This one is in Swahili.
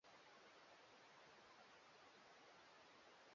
barani Afrika kwani miji hiyo imepata majina yenye asili yake hapa hapa Afrika